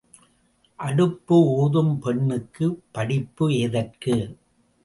அடுப்பு ஊதும் பெண்ணுக்குப் படிப்பு எதற்கு?